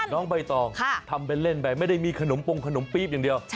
น้องใบตองทำเป็นเล่นไปไม่ได้มีขนมปงขนมปี๊บอย่างเดียว